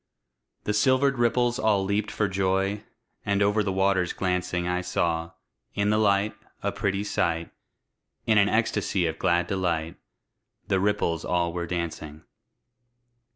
The silvered ripples all leaped for joy! And over the waters glancing I saw, in the light, a pretty sight; In an ecstasy of glad delight, The ripples all were dancing.